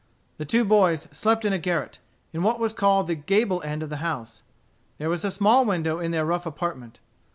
The two boys slept in a garret, in what was called the gable end of the house. There was a small window in their rough apartment.